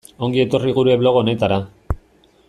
Ongi etorri gure blog honetara.